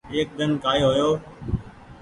ايڪ ۮن ڪآئي هو يو